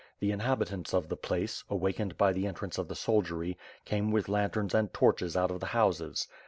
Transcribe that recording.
The inhabitants of the place, awakened by the entrance of the soldiery, came with lan terns and torches out of the houses.